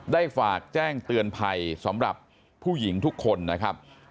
ได้ฝากแจ้งเตือนภัยสำหรับผู้หญิงทุกคนนะครับ